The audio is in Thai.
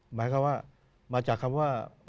หมายความว่ามาจากคำว่า